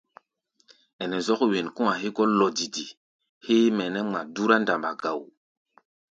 Ɛnɛ zɔ́k wen kɔ̧́-a̧ hégɔ́ lɔdidi héé mɛ nɛ́ ŋma dúrá ndamba ga wo.